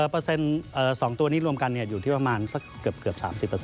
เปอร์เซ็นต์สองตัวนี้รวมกันอยู่ที่ประมาณเกือบ๓๐